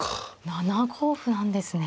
７五歩なんですね。